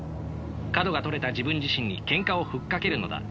角が取れた自分自身にけんかを吹っかけるのだ。